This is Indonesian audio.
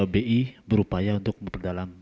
bi berupaya untuk memperdalam